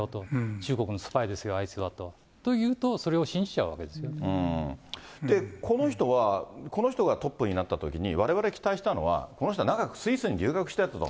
中国のスパイですよ、あいつはと。というと、この人は、この人がトップになったときに、われわれ期待したのは、この人は長くスイスに留学してたと。